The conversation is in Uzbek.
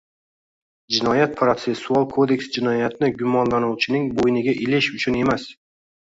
Jinoyat-protsessual kodeks jinoyatni gumonlanuvchining «bo‘yniga ilish» uchun emas